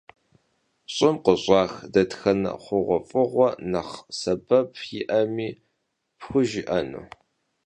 Ş'ım khış'ax detxene xhuğuef'ığuer nexh sebep yi'emi pxujjı'enu?